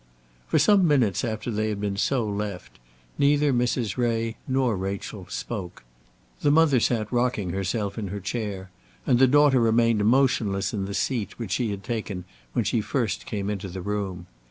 For some minutes after they had been so left, neither Mrs. Ray nor Rachel spoke. The mother sat rocking herself in her chair, and the daughter remained motionless in the seat which she had taken when she first came into the room.